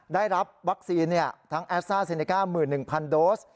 ได้รับวัคซีนทั้งแอสซ่าเซเนก้า๑๑๐๐โดส